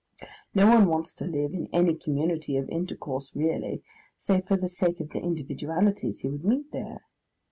No one wants to live in any community of intercourse really, save for the sake of the individualities he would meet there.